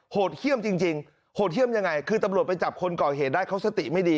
เขี้ยมจริงโหดเยี่ยมยังไงคือตำรวจไปจับคนก่อเหตุได้เขาสติไม่ดี